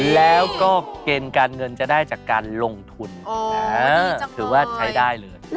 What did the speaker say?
แล้วก็เกณฑ์การเงินจะได้จากการลงทุนถือว่าใช้ได้เลย